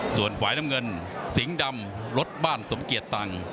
ส่วนฝ่ายน้ำเงินสิงห์ดำรถบ้านสมเกียจตังค์